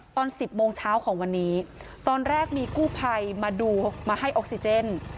ตอน๑๐โมงเช้าของวันนี้ตอนแรกมีกู้ภัยมาดูมาให้ออกซิเจน